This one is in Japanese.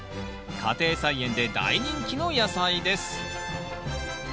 家庭菜園で大人気の野菜です。